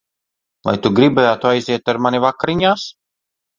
Vai tu gribētu aiziet ar mani vakariņās?